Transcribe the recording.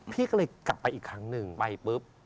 พี่ก็เลยกลับไปอีกครั้งหนึ่งไปปุ๊บ